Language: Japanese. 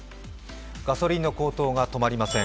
ガソリンの高騰が止まりません。